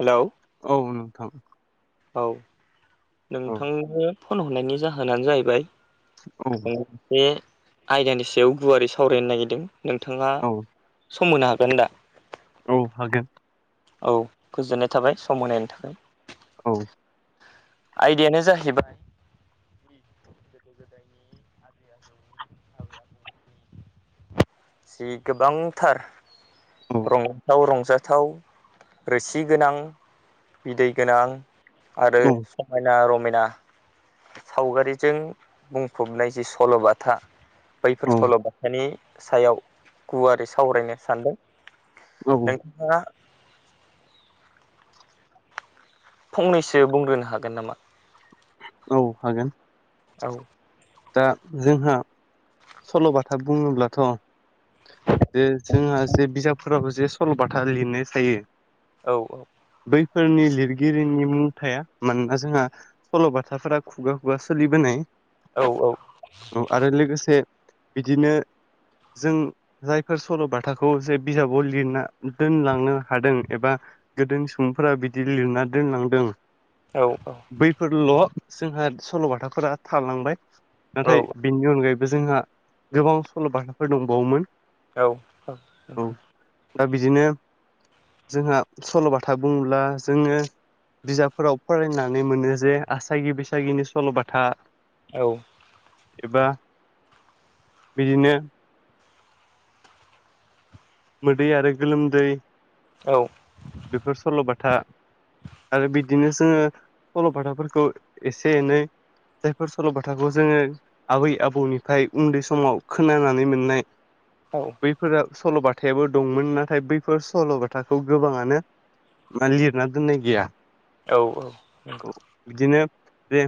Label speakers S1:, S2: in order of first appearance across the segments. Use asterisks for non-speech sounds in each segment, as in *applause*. S1: Hello
S2: औ नोंथां
S1: औ
S2: औ
S1: नोंथांनो फन हरनायनि जाहोनानो जाहैबाय
S2: औ
S1: मोनसे आयदानि सायाव गुवारै सावरायनो नागिरदों नोंथाङा
S2: औ
S1: सम होनो हागोन दा
S2: औ हागोन
S1: औ गोजोननाय थाबाय सम होनायनि थाखाय
S2: औ
S1: आयडियानो जाहैबाय *inaudible* जि गोबांथार
S2: औ
S1: रंजाथाव रंजाथाव रोसि गोनां बिदै गोनां आरो
S2: औ
S1: समायना रमायना सावगारिजों बुंफबनाय जि सल'बाथा बैफोर सल'बाथानि सायाव गुवारै सावरायनो सानदों
S2: औ
S1: नोंथाङा फंनैसो बुंग्रोनो हागोन नामा?
S2: औ हागोन
S1: औ
S2: दा जोंहा सल'बाथा बुङोब्लाथ' जे जोंहा जे बिजाबफोराबो जे सल'बाथा लिरनाय थायो
S1: औ औ
S2: बैफोरनि लिरगिरिनि मुंथाया मानोना जोंहा सल'बाथाफोरा खुगा खुगा सोलिबोनाय
S1: औ औ
S2: औ आरो लोगोसे बिदिनो जों जायफोर सल'बाथाखौ जे बिजाबाव लिरना दोनलांनो हादों एबा गोदोनि सुबुंफोरा बिदि लिरना दोनलांदों
S1: औ औ
S2: बैफोरल' जोंहा सल'बाथाफोरा थालांबाय नाथाय बेनि अनगायैबो जोंहा गोबां सल' बाथाफोर दंबावोमोन
S1: औ औ
S2: औ
S1: नंगौ
S2: दा बिदिनो जोंहा सल'बाथा बुङोब्ला जोङो बिजाबफोराव फरायनानै मोनो जे आसागि बैसागिनि सल'बाथा
S1: औ
S2: एबा बिदिनो मोदै आरो गोलोमदै
S1: औ।
S2: बेफोर सल'बाथा। आरो बिदिनो जोङो सल' बाथाफोरखौ एसे एनै जायफोर सल'बाथाखौ जोङो आबै आबौनिफाय उन्दै समाव खोनानानै मोननाय
S1: औ
S2: बेफोरो सल'बाथायाबो दंमोन नाथाय बैफोर सल'बाथाखौ गोबाङानो बि मानो लिरना दोननाय गैया
S1: औ औ नंगौ
S2: बिदिनो बे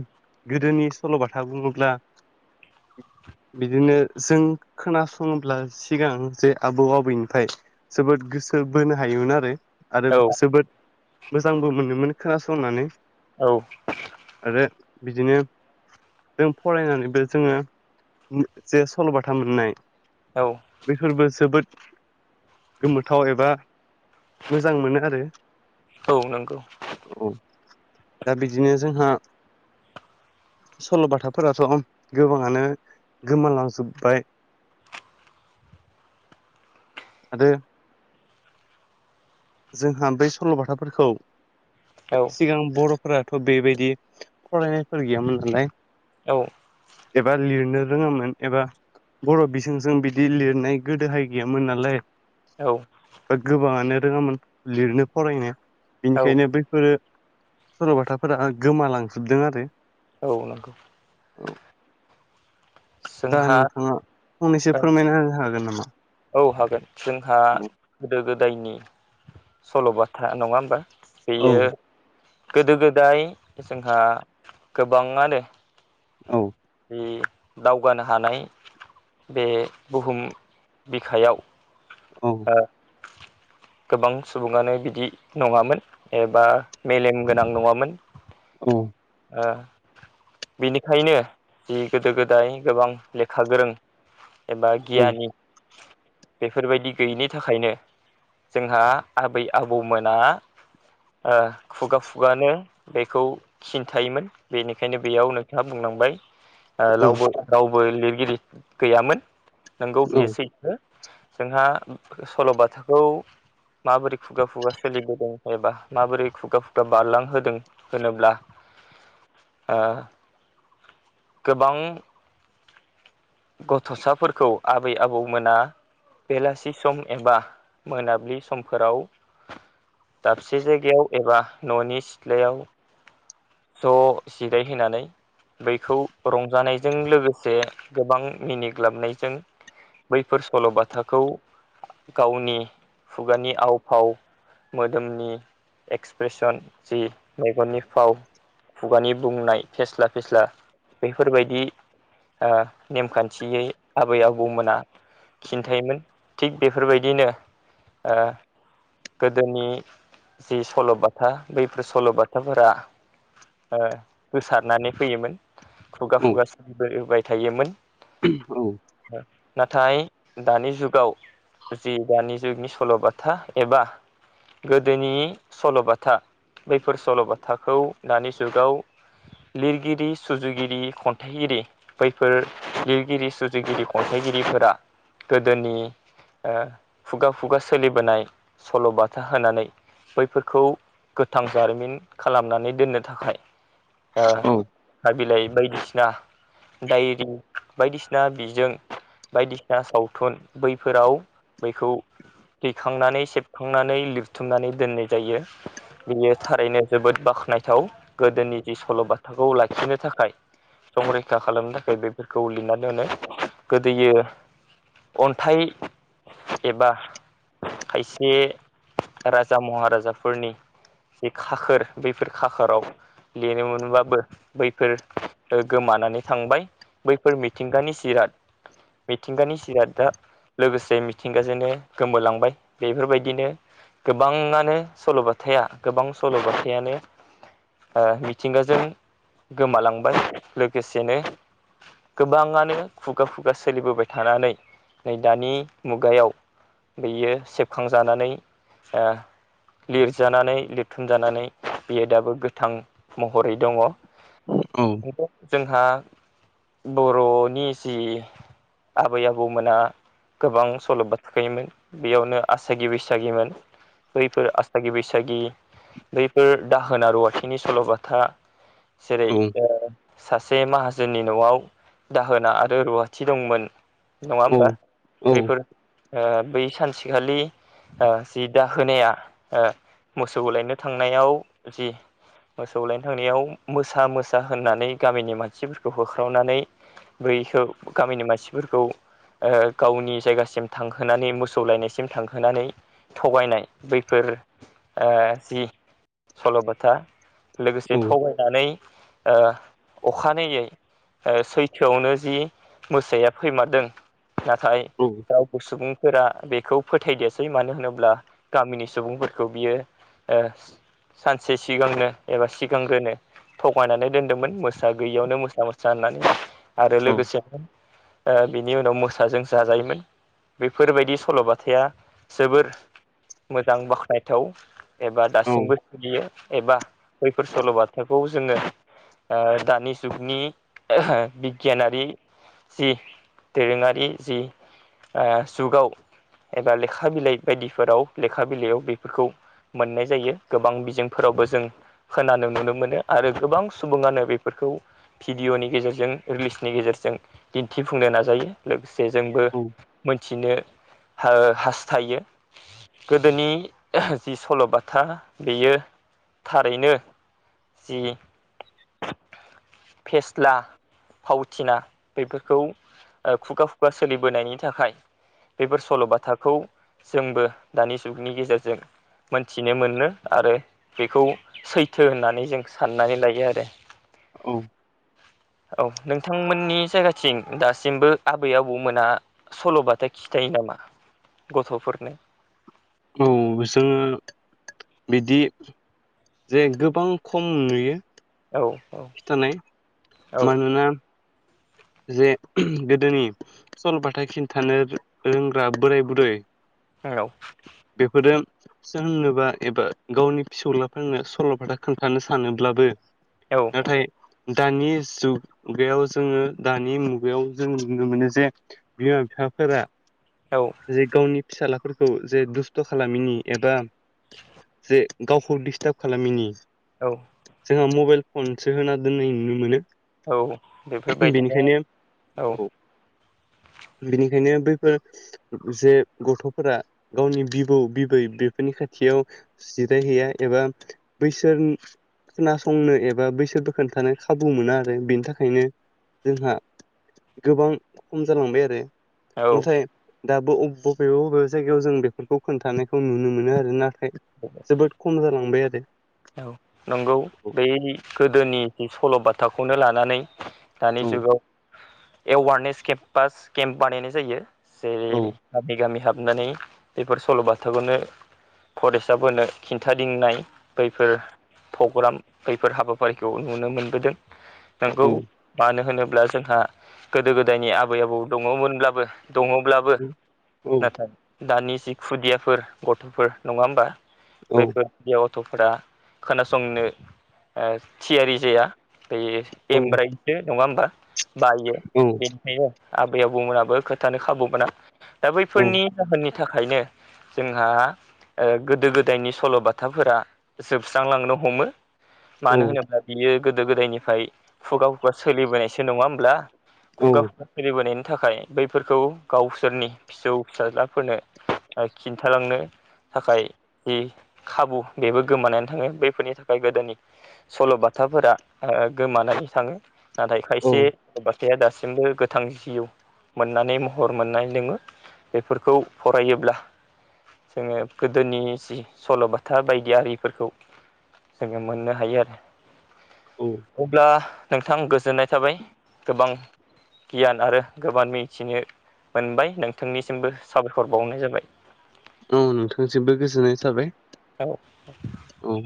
S2: गोदोनि सल'बाथा बुङोब्ला बिदिनो जों खोनासङोब्ला सिगां जे आबौ आबैन फाय जोबोद गोसो बोनो हायोमोन आरो आरो जोबोद मोजांबो मोनोमोन खोनासंनानै
S1: औ।
S2: आरो बिदिनो जों फरायनानैबो जोङो जे सल'बाथा मोननाय
S1: औ
S2: बेफोरबो जोबोद गोमोथाव एबा मोजां मोनो आरो
S1: औ नोंगौ
S2: औ दा बिदिनो जोंहा सल'बाथाफोराथ' गोबाङानो गोमालांजोब्बाय आरो जोंहा बै सल'बाथाफोरखौ
S1: औ
S2: सिगां बर'फोराथ' बेबायदि फरायनायफोर गैयामोन नालाय
S1: औ
S2: एबा लिरनो रोङोमोन एबा बर' बिजोंजों बिदि लिरनाय गोदोहाय गैयामोन नालाय
S1: औ
S2: बा गोबाङानो रोङामोन लिरनो फरायनाया बिनिखायनो बैफोरो सरल'बाथाफोरा गोमालांजोबदों आरो
S1: अ नोंगौ
S2: औ दा
S1: जोंहा
S2: नोंथाङा फंनैसो
S1: औ
S2: फोरमायना होनो हागोन नामा?
S1: औ हागोन जोंहा गोदो गोदायनि सल'बाथा नङा होमबा
S2: औ
S1: बियो गोदो गोदाय जोंहा गोबाङानो
S2: औ।
S1: बि दावगानो हानाय बे बुहुम बिखायाव
S2: औ
S1: *unintelligible* गोबां सुबुङानो बिदि नङामोन एबा मेलेम गोनां नङामोन
S2: औ
S1: ओ बिनिखायनो जि गोदो गोदाय गोबां लेखा गोरों एबा
S2: औ
S1: गियानि बेफोरबायदि गैयिनि थाखायनो जोंहा आबै आबौमोना आ खुगा खुगानो बेखौ खिन्थायोमोन बेनिखायनो बेयाव नोंथाङा बुंलांबाय
S2: औ
S1: रावबो रावबो लिरगिरि गैयामोन नोंगौ बेयो सैथो जोंहा सल'बाथाखौ माबोरै खुगा खुगा सोलिबोदों एबा माबोरै खुगा खुगा बारलां होदों होनोब्ला आ *inaudible* गोबां गथ'साफोरखौ आबै आबौ मोना बेलासि सम एबा मोनाबिलि समफोराव दाबसे जायगायाव एबा न'नि सिथ्लायाव ज' जिराय होनानै बैखौ रंजानायजों लोगोसे गोबां मिनिग्लाबनायजों बैफोर सल'बाथाखौ गावनि खुगानि आव फाव मोदोमनि एक्सप्रेसन जि मेगननि फाव खुगानि बुंनाय फेस्ला फेस्ला बेफोरबायदि आ नेमखान्थियै आबै आबौमोना खिन्थायोमोन थिग बेफोरबायदिनो आ गोदोनि जि सल'बाथा बैफोर सल'बाथाफोरा ओ होसारनानै फैयोमोन खुगा खुगा सोलिबोबाय थायोमोन
S2: औ
S1: नाथाय दानि जुगाव जि दानि जुगनि सल'बाथा एबा गोदोनि सल'बाथा बैफोर सल'बाथाखौ दानि जुगाव लिरगिरि सुजुगिरि खन्थाइगिरि बैफोर लिरगिरि सुजुगिरि खन्थाइगिरिफोरा गोदोनि आ खुगा खुगा सोलिबोनाय सल'बाथा होनानै बैफोरखौ गोथां जारिमिन खालामनानै दोननो थाखाय आ बिलाइ बायदिसिना डायरि बायदिसिना बिजों बायदिसिना सावथुन बैफोराव बैखौ दैखांनानै सेबखांनानै लिरथुमनानै दोननाय जायो बियो थारैनो जोबोद बाख्नायथाव गोदोनि जि सल'बाथाखौ लाखिनो थाखाय संरैखा खालामनो थाखाय बेफोरखौ लिरनानै होनो गोदो अन्थाइ एबा खायसे राजा महाराजाफोरनि जि खाखोर बैफोर खाखोराव लिरोमोनबाबो बैफोर गोमानानै थांबाय बैफोर मिथिंगानिजिराद मिथिंगानि जिरादा लोगोसे मिथिंगाजोंनो गोमोलांबाय बेफोरबायदिनो गोबाङानो सल'बाथाया गोबां सल'बाथायानो आ मिथिंगाजों गोमालांबाय लोगोसेनो गोबाङानो खुगा खुगा सोलिबोबाय थानानै नै दानि मुगायाव बेयो सेबखांजानानै आ लिरजानानै लिरथुमजानानै बियो दाबो गोथां महरै दङ
S2: औ
S1: थ जोंहा बर'नि जि आबै आबौमोना गोबां सल' बा थाखोमोन बेयावनो आसागि बैसागिमोन बैफोर आसथागि बैसागि बैफोर दाहोना रुवाथिनि सल'बाथा जेरै
S2: औ
S1: आ सासे माहाजोननि न'आव दाहोना आरो रुवाथि दंमोन नङा
S2: औ
S1: होमबा
S2: औ
S1: बैफोर ओ बै सानसेखालि ओ जि दााहोनाया मोसौलायनो थांनायाव जि मोसौ लायनो थांनायाव मोसा-मोसा होननानै गामिनि मानसिफोरखौ होख्रावनानै बैखौ गामिनि मानसिफोरखौ ओ गावनि जायगासिम थांहोनानै मोसौ लायनायसिम थांहोनानै थगायनाय बैफोर ओ जि सल'बाथा
S2: औ
S1: लोगोसे थगायनानै ओ अखानायै ओ सैथोआवनो जि मोसाया फैमारदों नाथाय
S2: औ
S1: रावबो सुबुंफोरा बेखौ फोथायदियासै मानो होनोब्ला गामिनि सुबुंफोरखौ बियो एस सानसे सिगांनो एबा सिगांग्रोनो थगायनानै दोन्दोंमोन मोसा गैयियावनो मोसा-मोसा साननानै आरो
S2: औ
S1: लोगोसेनो बिनि उनाव मोसाजों जाजायोमोन बेफोरबायदि सल'बथाया जोबोर मोजां बाख्नायथाव एबा
S2: औ
S1: दासिमबो सोलियो एबा बैफोर सल' बाथाखौ जोङो ओ दानि जुगनि ओहो बिगियानारि जि दोरोङारि जि ओ जुगाव एबा लेखा बिलाइ बायदिफोराव लेखा बिलाइयाव बेफोरखौ मोननाय जायो गोबां बिजोंफोरावबो जों खोनानो नुनो मोनो आरो गोबां सुबुङानो बेफोरखौ भिडिअ'नि गेजेरजों रिलिसनि गेजेरजों दिन्थिफुंनो नाजायो। लोगोसे जोंबो
S2: औ
S1: मोनथिनो हा-हास्थायो। गोदोनि ओहो जि सल'बाथा बेयो थारैनो जि फेस्ला फावथिना बेफोरखौ ओ खुगा-खुगा सोलिबोनायनि थाखाय बेफोर सल'बाथाखौ जोंबो दानि जुगनि गेजेरजों मोनथिनो मोनो आरो बेखौ सैथो होननानै जों साननानै लायो आरो
S2: औ
S1: औ नोंथांमोननि जायगाथिं दासिमबो आबै-आबौमोना सल'बाथा खिथायो नामा गथ'फोरनो
S2: औ बिसोरनो बिदि जे गोबां खम नुयो
S1: औ औ
S2: खिथानाय
S1: औ
S2: मानोना जे ओम गोदोनि सल' बाथा खिथानो रोंग्रा बोराय-बुरै
S1: उनाव *unintelligible*
S2: बेफोरो सोरनोबा एबा गावनि फिसौलाफोरनो सल' बाथा खोन्थानो सानोब्लाबो नाथाय दानि जुग बेयाव जोङो दानि मुगायाव जों नुनो मोनो जे बिमा-बिफाफोरा
S1: औ
S2: जे गावनि फिसालाफोरखौ जे दुस्थ' खालामिनि एबा जे गावखौ डिस्टार्ब खालामिनि
S1: औ
S2: जोंहा मबाइल फनसो होना दोननाय नुनो मोनो
S1: औ बेफोरबायदिनो
S2: बेनिखायनो
S1: औ
S2: बिनिखायनो बैफोर जे गथ'फोरा गावनि बिबौ-बिबै बेफोरनि खाथियाव जिरायहैया एबा बैसोर खोनासंनो एबा बैसोर बोखोन्थानो खाबु मोना आरो बेनि थाखायनो जोंहा गोबां खम जालांबाय आरो
S1: औ
S2: इन्टारनेट दाबो अ बबेबा बबेबा जायगायाव जों बेफोरखौ खोन्थानायखौ नुनो मोनो आरो ना जोबोद खम जालांबाय आरो
S1: औ नंगौ
S2: औ
S1: बै गोदोनि सल'बाथाखौनो लानानै दानि
S2: औ
S1: जुगाव एवारनेस केम्पास केम्प बानायनाय जायो जेरै
S2: औ
S1: गामि गामि हाबनानै बेफोर सल' बाथाखौनो फरायसाफोरनो खिन्थादिंनाय बैफोर प्रग्राम बैफोर हाबाफारिखौ नुनो मोनबोदों नोंगौ मानो होनोब्ला जोंहा गोदो गोदायनि आबै आबौ दङमोनब्लाबो दङब्लाबो
S2: औ औ
S1: नाथाय दानि जि खुदियाफोर गथ'फोर नङा होमबा
S2: औ
S1: *inaudible* गथ'फोरा खोनासंनो ओ थियारि जाया बे
S2: औ
S1: एमब्राइ नङा होमबा बायो
S2: औ
S1: बेनिखायनो आबै आबौमोनाबो खोथानो खाबु मोना दा
S2: औ
S1: बैफोरनि जाहोननि थाखायनो जोंहा ओ गोदो गोदायनि सल'बाथाफोरा जोबस्रांलांनो हमो
S2: औ
S1: मानो होनोब्ला बियो गोदो गोदायनिफ्राय खुगा खुगा सोलिबोनायसो नङा होमब्ला
S2: औ
S1: खुगा खुगा सोलिबोनायनि थाखाय बैफोरखौ गावसोरनि फिसौ फिसाज्लाफोरनो खिन्थालांनो थाखाय जि खाबु बेबो गोमानानै थाङो बैफोरनि थाखाय गोदोनि सल'बाथाफोरा आ गोमानानै थाङो नाथाय
S2: औ
S1: खायसेल'बाथा जे दासिमबो गोथां जिउ मोननानै महर मोननाय लोङो बेफोरखौ फरायोब्ला जोङो गोदोनि जि सल'बाथा बायदि गयारिफोरखौ जोङो मोननो हायो आरो अब्ला नोंथां गोजोननाय थाबाय गोबां गियान आरो गोबां मिथिनो मोनबाय नोंथांनिसिमबो साबायखर बावनाय जाबाय
S2: औ नोंथांसिमबो गोजोननाय थाबाय
S1: औ औ
S2: औ